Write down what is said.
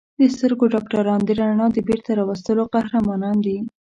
د سترګو ډاکټران د رڼا د بېرته راوستلو قهرمانان دي.